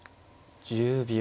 １０秒。